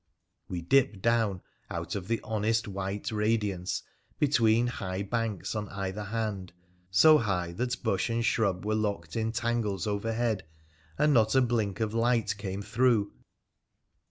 We dipped down, out of the honest white radiance, between high banks on either hand, so high that bush and scrub were locked in tangles overhead and not a blink of light came through.